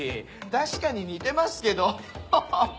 確かに似てますけどホホホ。